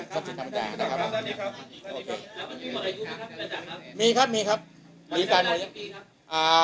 แล้วที่เขาตกลงกับพี่ค่ะพี่หมดอายุวันไหนครับ